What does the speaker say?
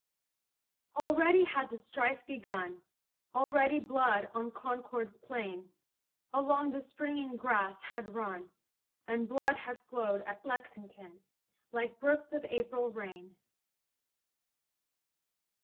Already had the strife begun; Already blood, on Concord's plain, Along the springing grass had run, And blood had flowed at Lexington, Like brooks of April rain.